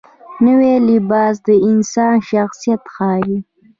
نوی لباس د انسان شخصیت ښیي